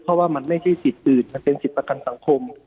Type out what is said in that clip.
เพราะว่ามันไม่ใช่สิทธิ์อื่นมันเป็นสิทธิ์ประกันสังคม